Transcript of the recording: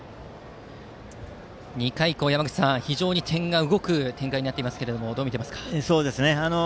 ２回以降、非常に点が動く展開になっていますがどう見ていますか。